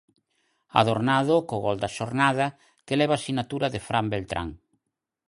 Adornado co gol da xornada que leva a sinatura de Fran Beltrán.